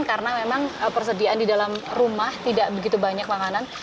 karena memang persediaan di dalam rumah tidak begitu banyak makanan